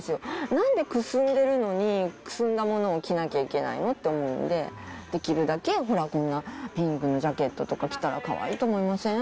なんでくすんでるのに、くすんだものを着なきゃいけないのって思うんで、できるだけ、ほら、こんなピンクのジャケットとか着たらかわいいと思いません？